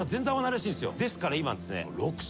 ですから今ですね。